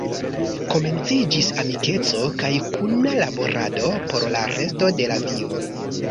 Komenciĝis amikeco kaj kuna laborado por la resto de la vivo.